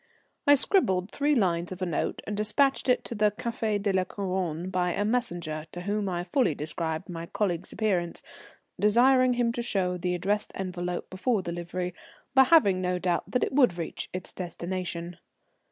I scribbled three lines of a note and despatched it to the Café de la Couronne by a messenger to whom I fully described my colleague's appearance, desiring him to show the addressed envelope before delivery, but having no doubt that it would reach its destination.